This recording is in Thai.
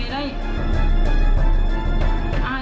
โดย